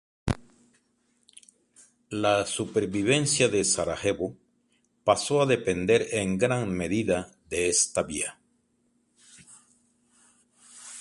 La supervivencia de Sarajevo pasó a depender en gran medida de esta vía.